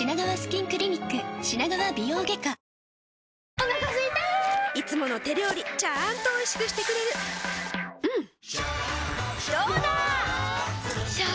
お腹すいたいつもの手料理ちゃんとおいしくしてくれるジューうんどうだわ！